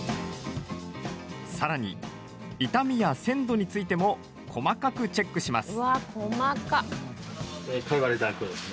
さらに、傷みや鮮度についても細かくチェックします。